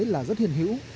là rất hiền hữu